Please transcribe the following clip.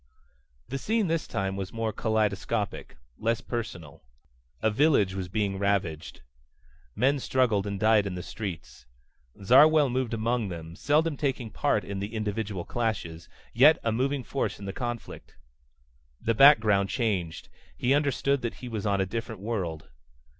The scene this time was more kaleidoscopic, less personal. A village was being ravaged. Men struggled and died in the streets. Zarwell moved among them, seldom taking part in the individual clashes, yet a moving force in the conflict. The background changed. He understood that he was on a different world.